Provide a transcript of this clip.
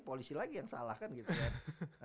polisi lagi yang salahkan gitu kan